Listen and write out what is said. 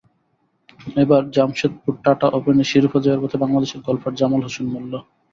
এবার জামশেদপুরে টাটা ওপেনে শিরোপা জয়ের পথে বাংলাদেশের গলফার জামাল হোসেন মোল্লা।